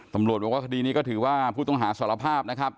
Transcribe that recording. ตำรวจบอกว่าคดีนี้ก็ถือว่าผู้ต้องหาสารภาพนะครับ